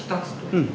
うん。